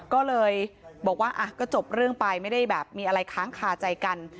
ก็เลยบอกว่าก็จบเรื่องไปไม่ได้แบบมีอะไรค้างคาใจกัน